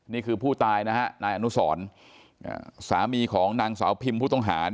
นี่คือผู้ตายนายอนุสรสามีของนางสาวพิมพุทธงหา